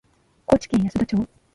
高知県安田町